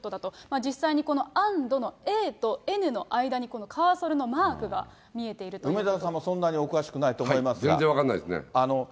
実際にこのａｎｄのａとｎの間にこのカーソルのマークが見えてい梅沢さんもそんなにお詳しく全然分かんないですね。